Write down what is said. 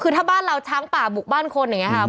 คือถ้าบ้านเราช้างป่าบุกบ้านคนอย่างนี้ค่ะ